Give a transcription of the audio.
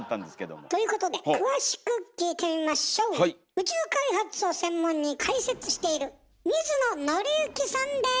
宇宙開発を専門に解説している水野倫之さんです！